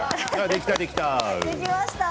できた、できた。